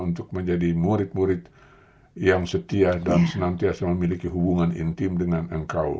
untuk menjadi murid murid yang setia dan senantiasa memiliki hubungan intim dengan nku